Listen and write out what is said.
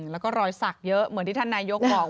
แล้วก็รอยสักเยอะเหมือนที่ท่านนายกบอก